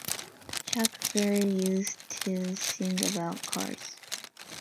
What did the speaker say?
Chuck Berry used to sing about cars.